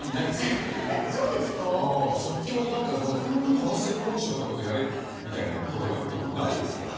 この専門職のことやれみたいなことやってもないですからね